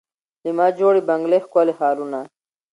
له ما جوړي بنګلې ښکلي ښارونه